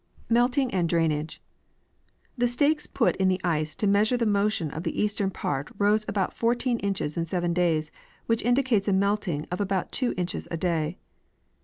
Melting and Drainage. The stakes put in the ice to measure the motion of the eastern part rose about 14 inches in 7 days, which indicates a melting of about 2 inches a day.